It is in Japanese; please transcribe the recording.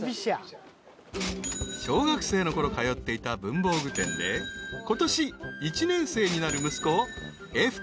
［小学生のころ通っていた文房具店でことし１年生になる息子笑